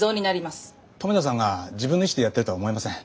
留田さんが自分の意思でやってるとは思えません。